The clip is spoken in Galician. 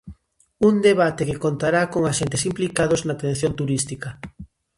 Un debate que contará con axentes implicados na atención turística.